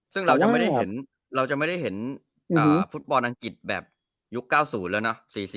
ซึ่งเราจะไม่ได้เห็นฟุตบอลอังกฤษแบบยุค๙๐แล้วนะ